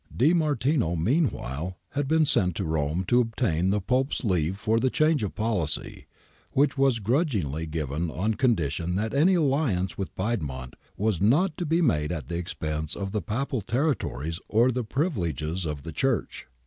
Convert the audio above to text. '^ De Martino, meanwhile, had been sent to Rome to obtain the Pope's leave for the change of policy, which was grudgingly given on con dition that any alliance with Piedmont was not to be made at the expense of the Papal territories or the privi leges of the Church.